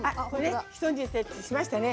ひと煮立ちしましたね。